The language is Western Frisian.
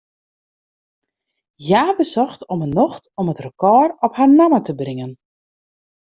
Hja besocht om 'e nocht om it rekôr op har namme te bringen.